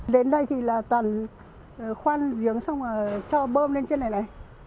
đến đây thì là toàn khoan giếng xong rồi cho bơm lên trên này này